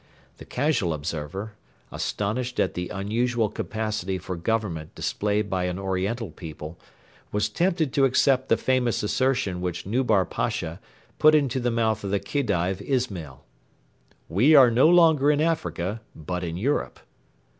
The casual observer, astonished at the unusual capacity for government displayed by an Oriental people, was tempted to accept the famous assertion which Nubar Pasha put into the mouth of the Khedive Ismail: 'We are no longer in Africa, but in Europe.'